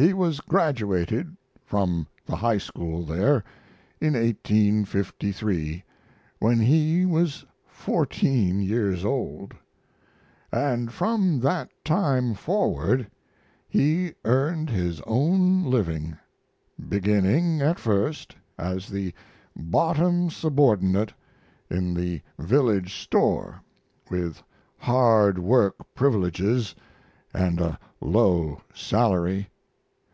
He was graduated from the high school there in 1853, when he was fourteen years old, and from that time forward he earned his own living, beginning at first as the bottom subordinate in the village store with hard work privileges and a low salary.